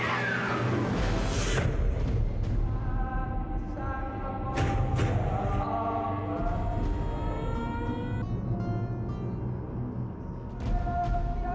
mereka cepat menemukannya